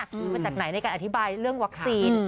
คือมาจากไหนในการอธิบายเรื่องวัคซีน